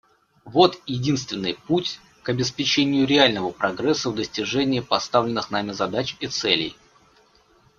Вот единственный путь к обеспечению реального прогресса в достижении поставленных нами задач и целей.